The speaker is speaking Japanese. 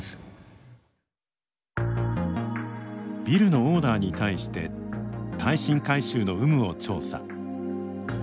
ビルのオーナーに対して耐震改修の有無を調査。